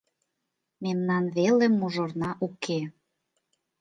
Мемнан веле мужырна уке.